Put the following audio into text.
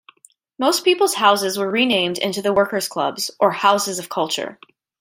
Most people's houses were renamed into the worker's clubs or Houses of Culture.